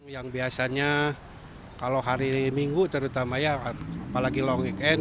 yang biasanya kalau hari minggu terutama ya apalagi long weekend